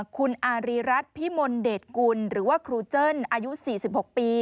คุณอารีรัฐพิมลเดชกุลหรือว่าครูเจิ้นอายุ๔๖ปี